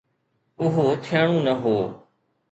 اهو ٿيڻو نه هو.